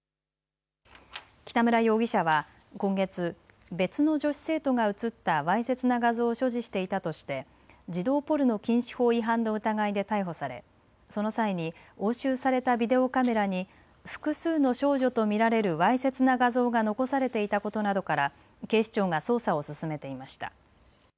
北村容疑者は今月、別の女子生徒が写ったわいせつな画像を所持していたとして児童ポルノ禁止法違反の疑いで逮捕されその際に押収されたビデオカメラに複数の少女と見られるわいせつな画像が残されていたことなどから警視庁が捜査を進めていました。